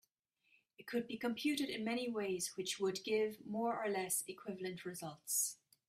It could be computed in many ways which would give more or less equivalent results.